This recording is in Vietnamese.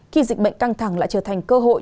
khi dịch bệnh căng thẳng lại trở thành cơ hội